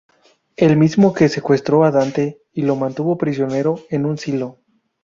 El mismo que secuestro a Dante y lo mantuvo prisionero en un silo.